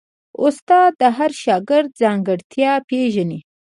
استاد د هر شاګرد ځانګړتیا پېژني.